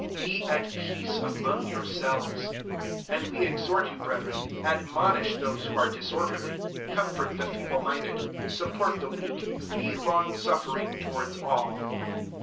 Be at peace among yourselves. 14 |ind we exhort you, breth ren,* admonish those who are disorderly, comfort the feeble minded, support the weak, be long suffering towards all.